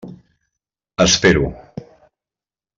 Espero.